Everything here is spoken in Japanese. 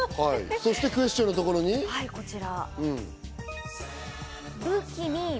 そしてクエスチョンのところこちら。